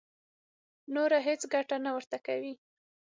نوره هېڅ ګټه نه ورته کوي.